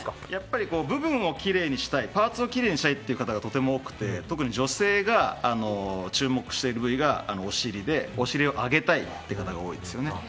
部分をきれいにしたいパーツをきれいにしたいという方がとても多くて、特に女性が注目している部位がお尻でお尻を上げたいという方が多いですよね。